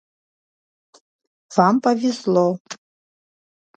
Вам повезло.